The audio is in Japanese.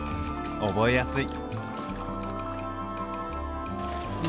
覚えやすい！